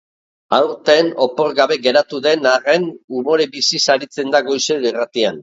Aurten opor gabe geratu den arren, umore biziz aritzen da goizero irratian.